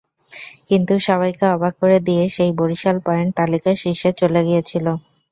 কিন্তু সবাইকে অবাক করে দিয়ে সেই বরিশাল পয়েন্ট তালিকার শীর্ষে চলে গিয়েছিল।